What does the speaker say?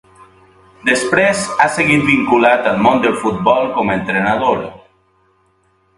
Després, ha seguit vinculat al món del futbol com a entrenador.